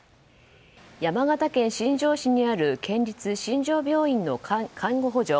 山形県新庄市にある県立新庄病院の看護補助